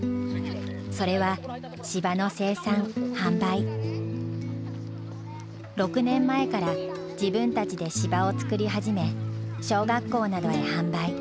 それは６年前から自分たちで芝を作り始め小学校などへ販売。